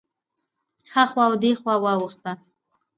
هخوا او دېخوا واوښته.